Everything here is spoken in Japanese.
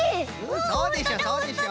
そうでしょそうでしょ。